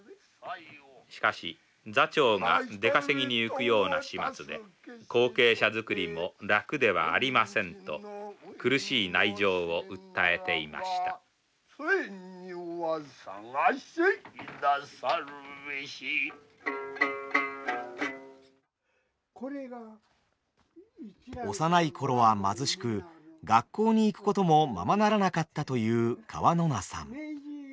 しかし座長が出稼ぎに行くような始末で後継者作りも楽ではありませんと苦しい内情を訴えていました幼い頃は貧しく学校に行くこともままならなかったという川野名さん。